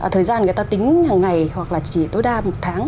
thời gian người ta tính hàng ngày hoặc là chỉ tối đa một tháng